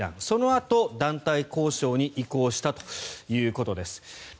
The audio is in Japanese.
そのあと団体交渉に移行したということです。